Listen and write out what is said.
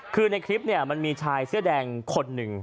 คือในคลิปเนี่ยมันมีชายเสื้อแดงคนหนึ่ง